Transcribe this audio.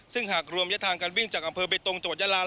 ซึ่งหากรวมระยะทางการวิ่งจากอำเภอเบตรงจังหวัดยาลา